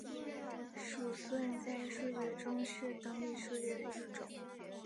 鼠算在数学中是等比数列的一种。